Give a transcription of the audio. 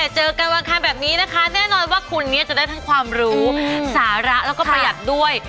เจอกันวันอังคารแบบนี้นะคะแน่นอนว่าคุณเนี่ยจะได้ทั้งความรู้สาระแล้วก็ประหยัดด้วย